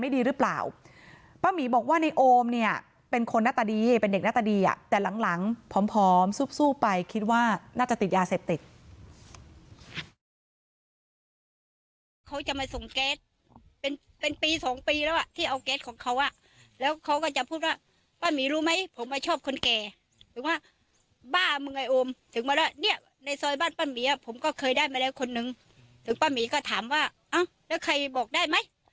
ดีเป็นเด็กน่าจะดีอ่ะแต่หลังหลังพร้อมพร้อมสู้ไปคิดว่าน่าจะติดยาเศษติกเขาจะมาส่งแก๊สเป็นเป็นปีสองปีแล้วอ่ะที่เอาแก๊สของเขาอ่ะแล้วเขาก็จะพูดว่าป้าหมีรู้ไหมผมมาชอบคนแก่ถึงว่าบ้ามึงไอ้โอมถึงมาแล้วเนี้ยในซอยบ้านป้าหมีอ่ะผมก็เคยได้มาแล้วคนนึงถึงป้าหมีก็ถามว่าอ่ะแล้วใครบอกได